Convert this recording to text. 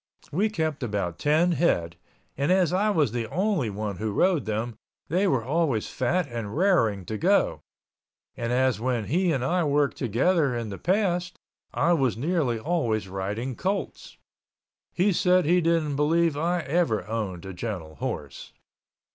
We kept about ten head and as I was the only one who rode them, they were always fat and rarin' to go, and as when he and I worked together in the past, I was nearly always riding colts. He said he didn't believe I ever owned a gentle horse.